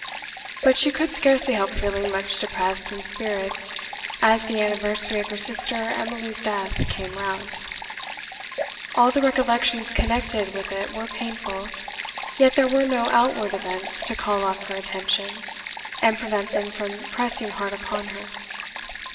But she could scarcely help feeling much depressed in spirits as the anniversary of her sister Emily's death came round; all the recollections connected with it were painful, yet there were no outward events to call off her attention, and prevent them from pressing hard upon her.